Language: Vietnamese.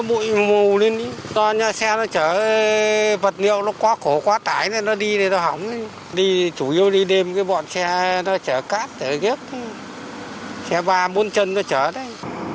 tuy nhiên tuyến đê mới được nâng cấp tuyến đê mới được nâng cấp ổ gà thậm chí cả ổ voi xuất hiện